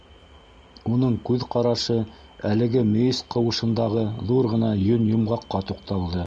Уның күҙ ҡарашы әлеге мейес ҡыуышындағы ҙур ғына йөн йомғаҡҡа туҡталды.